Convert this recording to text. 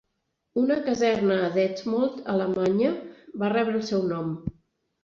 Una caserna a Detmold, Alemanya, va rebre el seu nom.